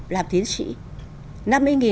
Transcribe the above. làm tiến sĩ